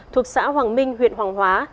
thuộc xã hoàng minh huyện hoàng hóa